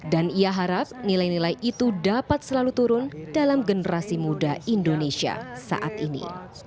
dan ia harap nilai nilai itu dapat selalu turun dalam generasi muda indonesia saat ini